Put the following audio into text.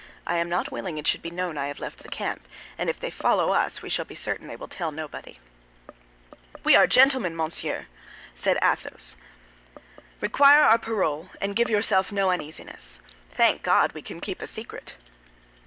"I am not willing it should be known I have left the camp; and if they follow us we shall be certain they will tell nobody." "We are gentlemen, monseigneur," said Athos; "require our parole, and give yourself no uneasiness. Thank God, we can keep a secret."